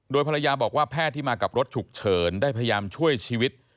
ภรรยาบอกว่าแพทย์ที่มากับรถฉุกเฉินได้พยายามช่วยชีวิต